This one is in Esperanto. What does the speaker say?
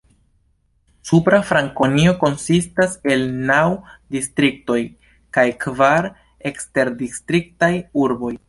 Supra Frankonio konsistas el naŭ distriktoj kaj kvar eksterdistriktaj urboj.